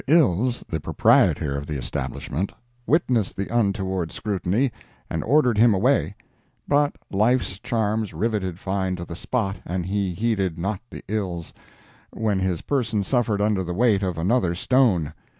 Ills, the proprietor of the establishment, witnessed the untoward scrutiny, and ordered him away; but life's charms riveted Fine to the spot, and he heeded not the Ills, when his person suffered under the weight of another stone.